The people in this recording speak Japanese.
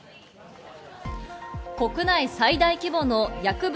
国内最大規模の薬物